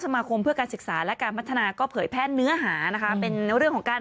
มาคมเพื่อการศึกษาและการพัฒนาก็เผยแพร่เนื้อหานะคะเป็นเรื่องของการ